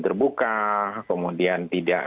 terbuka kemudian tidak